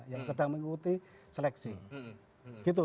yang sedang mengikuti seleksi gitu